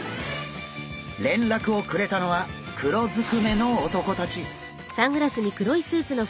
連絡をくれたのは黒ずくめの男たち。